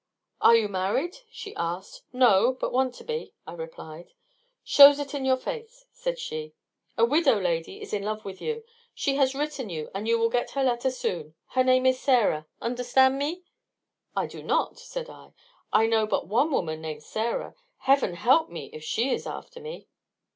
"Are you married?" she asked. "No, but want to be," I replied. "Shows it in your face," said she. "A widow lady is in love with you. She has written you, and you will get her letter soon. Her name is Sarah. Understand me?" "I do not," said I; "I know but one woman named Sarah. Heaven help me if she is after me!"